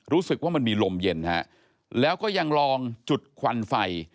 รู้สึกว่ามันมีลมเย็นฮะแล้วก็ยังลองจุดควันไฟ